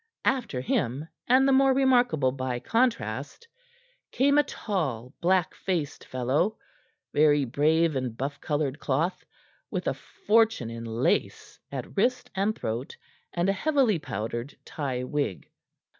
After him, and the more remarkable by contrast, came a tall, black faced fellow, very brave in buff colored cloth, with a fortune in lace at wrist and throat, and a heavily powdered tie wig.